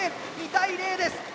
２対０です。